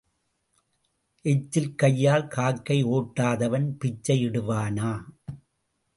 எச்சில் கையால் காக்கை ஓட்டாதவன் பிச்சை இடுவானா?